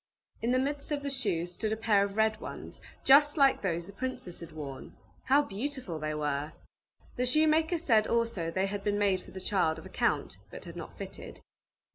In the midst of the shoes stood a pair of red ones, just like those the princess had worn. How beautiful they were! The shoemaker said also they had been made for the child of a count, but had not fitted.